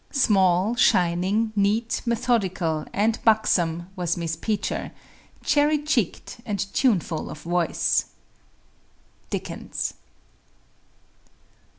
Small, shining, neat, methodical, and buxom was Miss Peecher; cherry cheeked and tuneful of voice. DICKENS.